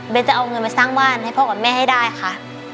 เป็นจะเอาเงินมาสร้างบ้านให้พ่อกับแม่ให้ได้ค่ะ